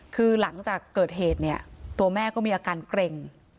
คือหลังจากเกิดเหตุเนี่ยตัวแม่ก็มีอาการเกร็ง